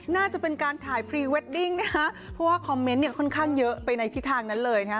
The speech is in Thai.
น่าจะเป็นการถ่ายพรีเวดดิ้งนะฮะเพราะว่าคอมเมนต์เนี่ยค่อนข้างเยอะไปในทิศทางนั้นเลยนะฮะ